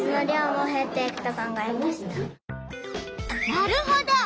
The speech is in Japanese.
なるほど。